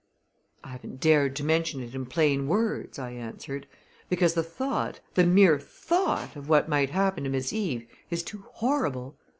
"I haven't dared to mention it in plain words," I answered, "because the thought, the mere thought, of what might happen to Miss Eve is too horrible!